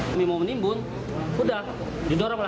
ya kan udah habis itu jalan